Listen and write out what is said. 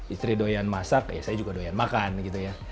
istri doyan masak ya saya juga doyan makan gitu ya